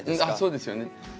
あっそうですよね。